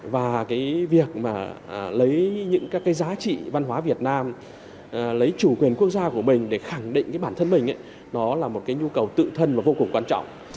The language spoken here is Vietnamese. và cái việc mà lấy những các cái giá trị văn hóa việt nam lấy chủ quyền quốc gia của mình để khẳng định cái bản thân mình ấy nó là một cái nhu cầu tự thân và vô cùng quan trọng